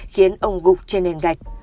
khiến ông gục trên nền gạch